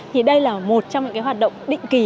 thì đây là một trong những hoạt động định kỳ